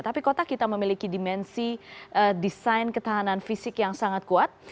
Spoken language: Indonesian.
tapi kota kita memiliki dimensi desain ketahanan fisik yang sangat kuat